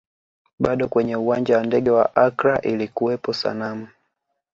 Bado kwenye uwanja wa ndege wa Accra ilikuwepo sanamu